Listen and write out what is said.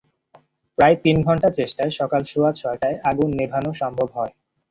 প্রায় তিন ঘণ্টা চেষ্টায় সকাল সোয়া ছয়টায় আগুন নেভানো সম্ভব হয়।